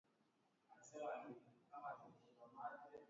kuna umuhimu wa elimu ya viazi lishe kufikia jamii